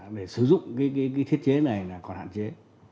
để sử dụng cái thiết chế này là còn hạn chế